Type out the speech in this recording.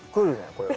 これは。